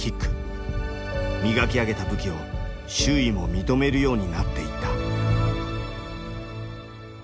磨き上げた武器を周囲も認めるようになっていった。